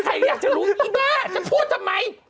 ไอ้มรงจะพูดทำไม